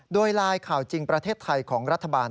โดยไลน์ข่าวจริงประเทศไทยของรัฐบาล